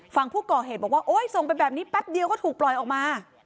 ฝั่งผู้ก่อเหตุบอกว่าโอ๊ยส่งไปแบบนี้แป๊บเดียวก็ถูกปล่อยออกมา